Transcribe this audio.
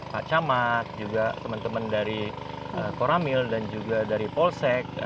pak camat juga teman teman dari koramil dan juga dari polsek